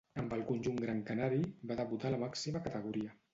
Amb el conjunt gran canari va debutar a la màxima categoria.